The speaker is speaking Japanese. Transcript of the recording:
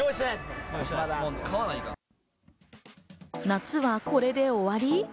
夏はこれで終わり？